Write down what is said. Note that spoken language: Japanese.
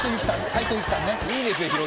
斉藤由貴さんね。